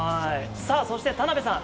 そして田辺さん